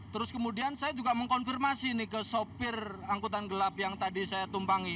terus kemudian saya juga mengkonfirmasi nih ke sopir angkutan gelap yang tadi saya tumpangi